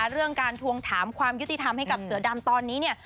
เรื่องการทวงถามความยุติธรรมให้กับเสือดำตอนนี้เนี่ย